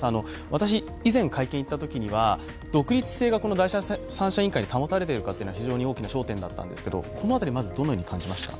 私、以前、会見行ったときには、独立性がこの第三者委員会で保たれているのかが焦点だったんですけどこの辺り、まずどのように感じました？